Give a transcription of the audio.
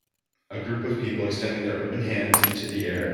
A group of people extending their open hands into the air.